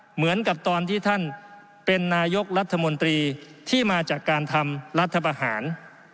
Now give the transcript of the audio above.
เหมือนกับตอนที่ท่านเป็นนายกรัฐมนตรีที่มาจากการทำรัฐประหาร